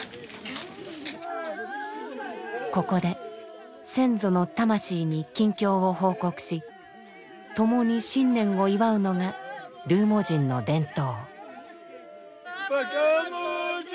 ここで先祖の魂に近況を報告し共に新年を祝うのがルーモ人の伝統。